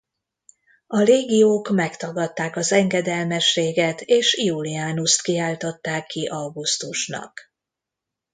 A légiók megtagadták az engedelmességet és Iulianust kiáltották ki augustusnak.